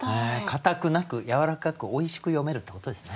かたくなくやわらかくおいしく詠めるってことですね。